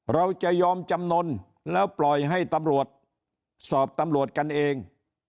เราจะยอมจำนวนแล้วปล่อยให้ตำรวจสอบตำรวจกันเอง